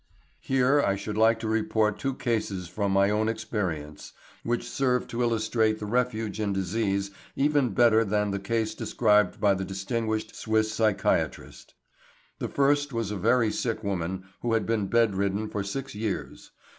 Here I should like to report two cases from my own experience which serve to illustrate the refuge in disease even better than the case described by the distinguished Swiss psychiatrist. The first was a very sick woman who had been bed ridden for six years.